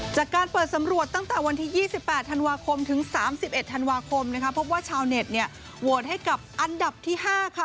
จากการเปิดสำรวจตั้งแต่วันที่๒๘ธันวาคมถึง๓๑ธันวาคมนะคะพบว่าชาวเน็ตเนี่ยโหวตให้กับอันดับที่๕ค่ะ